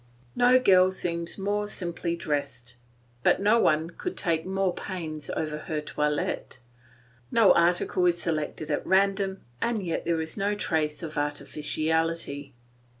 No girl seems more simply dressed, but no one could take more pains over her toilet; no article is selected at random, and yet there is no trace of artificiality.